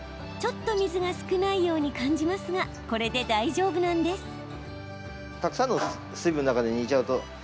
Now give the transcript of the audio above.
ちょっと水が少ないように感じますがこれで大丈夫なんです。